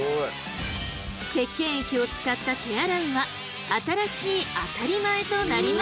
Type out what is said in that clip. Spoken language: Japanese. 石けん液を使った手洗いは新しい当たり前となりました。